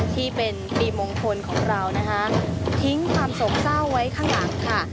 ที่เป็นปีมงคลของเรานะคะทิ้งความโศกเศร้าไว้ข้างหลังค่ะ